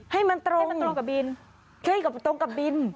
ให้มันตรงให้มันตรงกับบิลให้มันตรงกับบิล